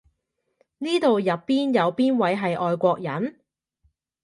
呢度入邊有邊位係外國人？